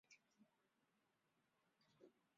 他们认为这个地方是纪念长期迫害的适当地点。